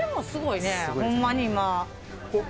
ホンマに今。